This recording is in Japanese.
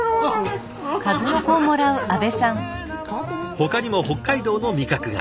ほかにも北海道の味覚が。